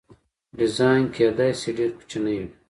ډیزاین کیدای شي ډیر کوچنی وي.